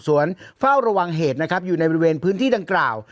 เฝ้าระวังเหตุนะครับอยู่ในบริเวณพื้นที่ดังกล่าว